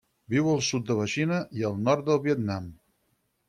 Viu al sud de la Xina i el nord del Vietnam.